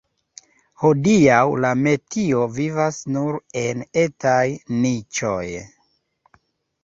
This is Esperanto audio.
Hodiaŭ la metio vivas nur en etaj niĉoj.